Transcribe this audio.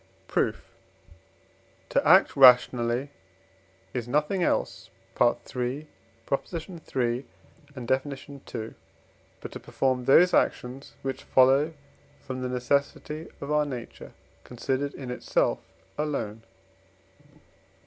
Proof. To act rationally, is nothing else (III. iii. and Def. ii.) but to perform those actions, which follow from the necessity, of our nature considered in itself alone.